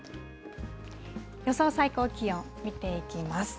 予想最高気温、見ていきます。